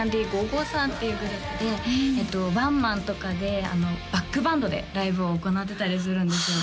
さんっていうグループでワンマンとかでバックバンドでライブを行ってたりするんですよ